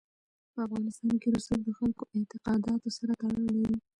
په افغانستان کې رسوب د خلکو اعتقاداتو سره تړاو لري.